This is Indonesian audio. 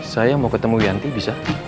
saya mau ketemu yanti bisa